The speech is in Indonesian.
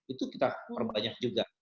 itu kita perbanyak juga